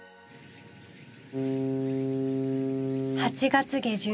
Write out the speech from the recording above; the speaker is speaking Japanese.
８月下旬。